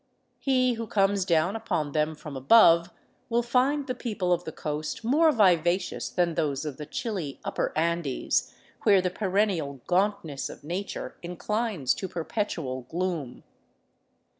He who comes down upon them from above will find the people of the coast more vivacious than those of the chilly upper Andes, where the perennial gauntness of nature inclines to perpetual gloom.